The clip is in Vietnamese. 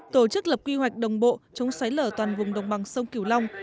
tổ chức lập quy hoạch đồng bộ chống sói lở toàn vùng đồng bằng sông cửu long